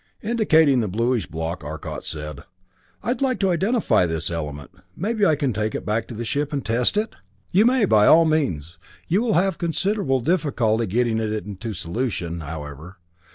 Indicating the bluish block, Arcot said, "I'd like to identify this element. May I take it back to the ship and test it?" "You may, by all means. You will have considerable difficulty getting it into solution, however.